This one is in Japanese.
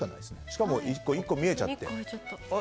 しかも１個見えちゃって。